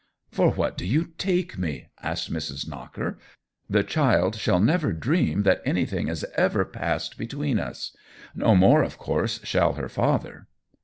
" For what do you take me ?" asked Mrs. Knocker. "The child shall never dream that anything has ever passed between us. No more of course shall her father."